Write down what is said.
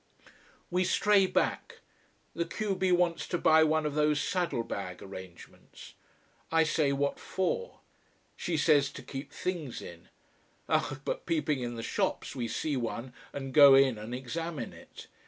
We stray back. The q b wants to buy one of those saddle bag arrangements. I say what for? She says to keep things in. Ach! but peeping in the shops, we see one and go in and examine it.